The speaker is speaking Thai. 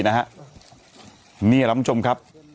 นี่ล้ำชมครับ